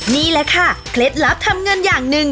นี่แหละค่ะเคล็ดลับทำเงินอย่างหนึ่ง